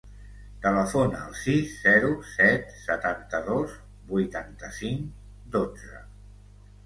Telefona al sis, zero, set, setanta-dos, vuitanta-cinc, dotze.